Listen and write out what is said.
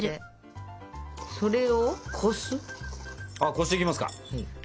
こしていきますか。